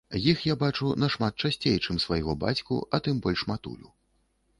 Іх я бачу нашмат часцей, чым свайго бацьку, а тым больш матулю.